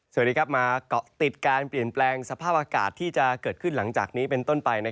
สวัสดีครับมาเกาะติดการเปลี่ยนแปลงสภาพอากาศที่จะเกิดขึ้นหลังจากนี้เป็นต้นไป